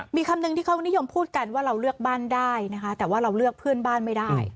มีคำนึงที่เขานิยมพูดกันว่าเราเลือกบ้านได้นะคะแต่ว่าเราเลือกเพื่อนบ้านไม่ได้